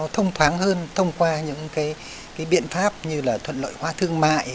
thông thoáng hơn thông qua những biện pháp như là thuận lợi hóa thương mại